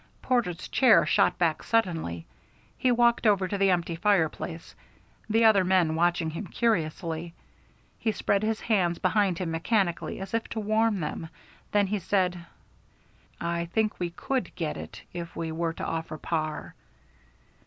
Porter's chair shot back suddenly. He walked over to the empty fireplace, the other men watching him curiously. He spread his hands behind him mechanically as if to warm them. Then he said: "I think we could get it if we were to offer par."